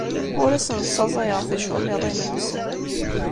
Ur asen-ssaẓayeɣ ticulliḍin-nsen.